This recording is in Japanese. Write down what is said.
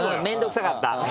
面倒くさかった。